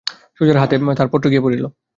সুজার হাতে তাহার পত্র গিয়া পড়িল।